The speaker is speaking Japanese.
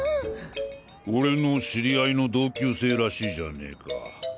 俺の知り合いの同級生らしいじゃねえかお前の親父は。